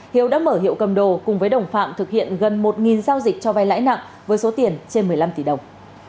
hiếu đã mở hiệu cầm đồ cùng với đồng phạm thực hiện gần một giao dịch cho vai lãi nặng với số tiền trên một mươi năm tỷ đồng